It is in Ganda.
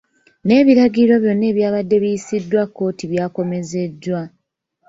N'ebiragaliro byonna ebyabadde biyisiddwa kkooti by’akomezeddwa.